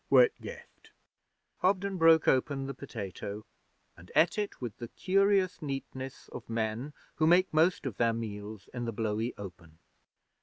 'Whitgift.' Hobden broke open the potato and ate it with the curious neatness of men who make most of their meals in the blowy open.